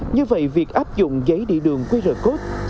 như vậy việc áp dụng giấy đi đường qr code